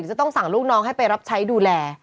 จะต้องสั่งลูกน้องให้ไปรับใช้ดูแล